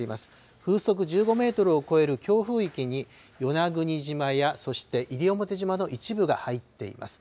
風速１５メートルを超える強風域に与那国島や、そして西表島の一部が入っています。